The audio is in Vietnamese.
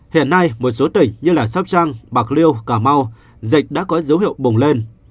hiện nay một số tỉnh như sopchang bạc liêu cà mau dịch đã có dấu hiệu bùng lên